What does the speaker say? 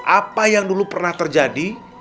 apa yang dulu pernah terjadi